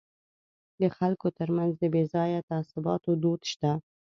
د خلکو ترمنځ د بې ځایه تعصباتو دود شته.